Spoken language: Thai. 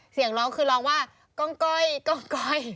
เสียงน้องคือร้องว่ากล้องก้อยกล้องก้อย